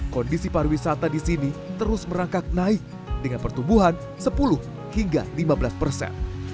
kondisi pariwisata di sini terus merangkak naik dengan pertumbuhan sepuluh hingga lima belas persen